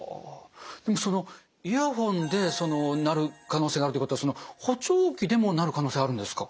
でもイヤホンでなる可能性があるっていうことは補聴器でもなる可能性あるんですか？